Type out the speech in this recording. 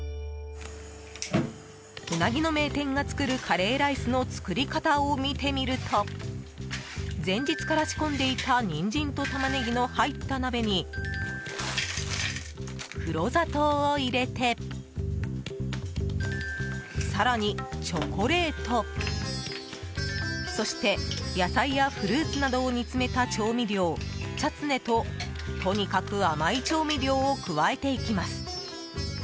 ウナギの名店が作るカレーライスの作り方を見てみると前日から仕込んでいたニンジンとタマネギの入った鍋に黒砂糖を入れて更に、チョコレートそして野菜やフルーツなどを煮詰めた調味料、チャツネととにかく甘い調味料を加えていきます。